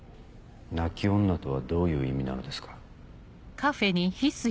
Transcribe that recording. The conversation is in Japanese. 泣き女とはどういう意味なのですか？